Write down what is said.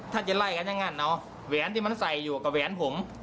ถ้าจะไล่กันอย่างนั้นเนาะแหวนที่มันใส่อยู่กับแหวนผม